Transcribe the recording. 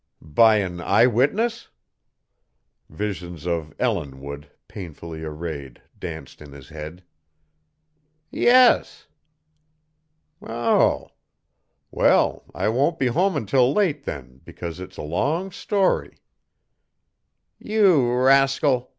"By an eye witness?" Visions of Ellinwood, painfully arrayed, danced in his head. "Yes." "Um m. Well, I won't be home until late, then, because it's a long story." "You rascal!"